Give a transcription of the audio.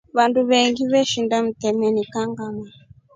Vandu vengi veshinda mtemeni kangʼama.